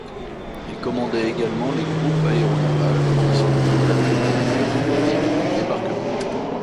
Il commandait également les groupes aéronavals fournissant la couverture aérienne des débarquements.